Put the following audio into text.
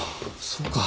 そうか。